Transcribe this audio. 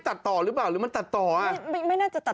ไม่น่าจะตัดต่อนะ